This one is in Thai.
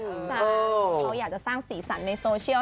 เขาอยากจะสร้างสีสันในโซเชียล